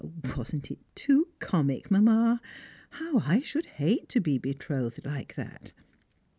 Wasn't it too comic, Mamma? How I should hate to be betrothed like that!